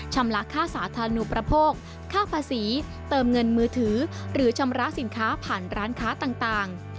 ละค่าสาธารณูประโภคค่าภาษีเติมเงินมือถือหรือชำระสินค้าผ่านร้านค้าต่าง